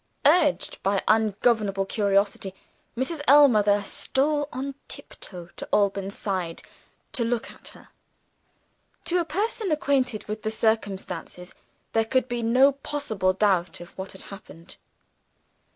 Urged by ungovernable curiosity, Mrs. Ellmother stole on tiptoe to Alban's side to look at her. To a person acquainted with the circumstances there could be no possible doubt of what had happened.